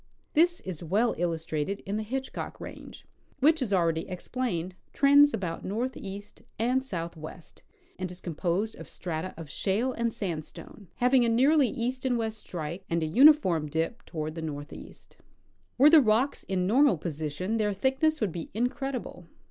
This is well illustrated in the Hitchcock range, which, as already explained, trends about northeast and southwest, and is composed of strata of shale and sandstone, having a nearly east and west strike and a uniform dip toward the northeast. * Were the rocks in normal position their thickness would be incredible.